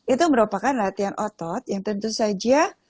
itu merupakan latihan otot yang tentu saja